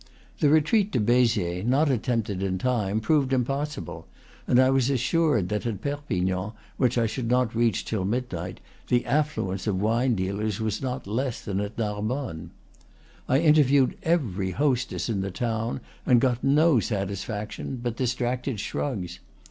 The retreat to Beziers, not attempted in time, proved impossible, and I was assured that at Perpignan, which I should not reach till midnight, the affluence of wine dealers was not less than at Nar bonne. I interviewed every hostess in the town, and got no satisfaction but distracted shrugs.